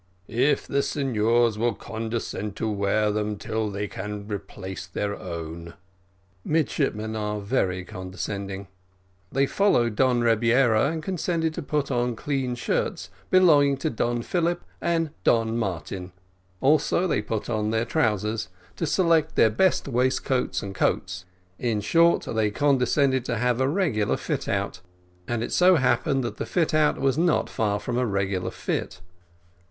"If the signors will condescend to wear them till they can replace their own." Midshipmen are very condescending they followed Don Rebiera, and condescended to put on clean shirts belonging to Don Philip and Don Martin; also to put on their trousers to select their best waistcoats and coats in short, they condescended to have a regular fit out and it so happened that the fit out was not far from a regular fit.